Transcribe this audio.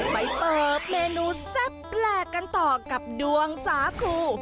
ไปเปิดเมนูแซ่บแปลกกันต่อกับดวงสาคู